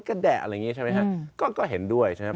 กระแดะอะไรอย่างนี้ใช่ไหมครับก็เห็นด้วยใช่ไหม